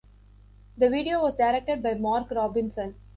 The video was directed by Mark Robinson.